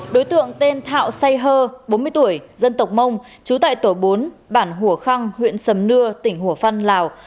đối tượng tên thạo say hơ bốn mươi tuổi dân tộc mông trú tại tổ bốn bản hủa khăng huyện sầm nưa tỉnh hủa phan lào